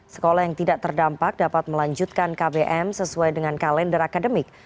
sekolah yang tidak terdampak dapat melanjutkan kbm sesuai dengan kalender akademik